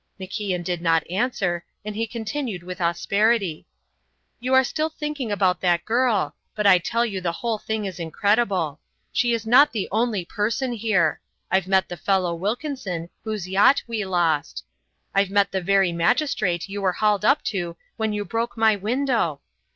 MacIan did not answer, and he continued with asperity: "You are still thinking about that girl, but I tell you the whole thing is incredible. She's not the only person here. I've met the fellow Wilkinson, whose yacht we lost. I've met the very magistrate you were hauled up to when you broke my window.